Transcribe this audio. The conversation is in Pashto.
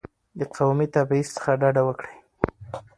د قومي تبعیض څخه ډډه وکړئ.